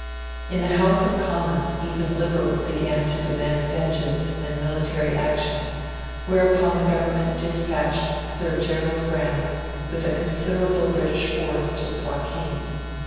In the House of Commons even Liberals began to demand vengeance and military action, whereupon the Government dispatched Sir Gerald Graham with a considerable British force to Suakin.